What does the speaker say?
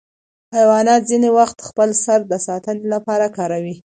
حیوانات ځینې وختونه خپل سر د ساتنې لپاره کاروي.